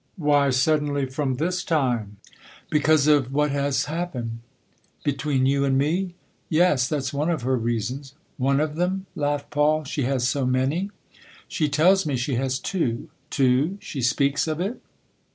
" Why, suddenly, from this time ?"" Because of what has happened." " Between you and me ?"" Yes that's one of her reasons." " One of them ?" laughed Paul. " She has so many ?"" She tells me she has two." "Two? She speaks of it